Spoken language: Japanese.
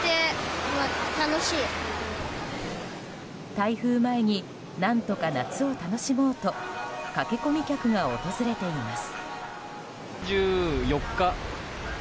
台風前に何とか夏を楽しもうと駆け込み客が訪れています。